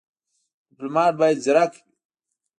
ډيپلومات بايد ځيرک وي.